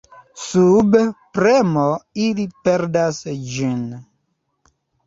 Sub premo ili perdas ĝin.